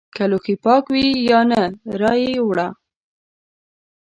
که لوښي پاک وي یا نه رایې وړه!